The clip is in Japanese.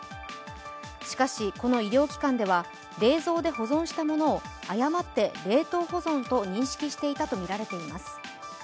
しかし、この医療機関では冷蔵で保存したものを誤って冷凍保存と認識していたとみられています。